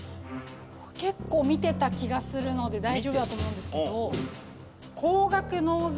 結構見てた気がするので大丈夫だと思うんですけど。